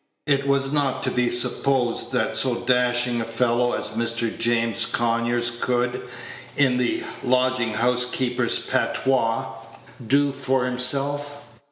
It was not to be supposed that so dashing a fellow as Mr. James Conyers could, in the lodging house keeper's patois, "do for" himself.